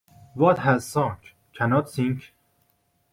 What has sunk, cannot sink.